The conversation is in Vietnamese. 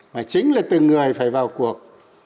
mà chính là từng người phải vào cuộc